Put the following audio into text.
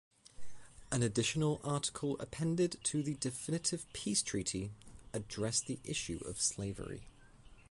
An additional article appended to the Definitive Peace Treaty, addressed the issue of slavery.